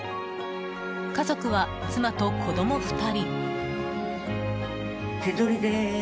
家族は妻と子供２人。